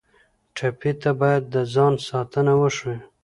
ټپي ته باید د ځان ساتنه وښیو.